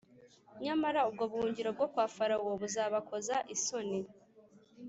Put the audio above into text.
Nyamara, ubwo buhungiro bwo kwa Farawo buzabakoza isoni,